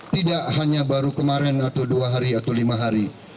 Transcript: tidak hanya baru kemarin atau dua hari atau lima hari